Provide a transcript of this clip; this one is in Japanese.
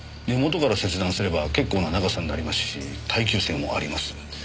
根元から切断すれば結構な長さになりますし耐久性もあります。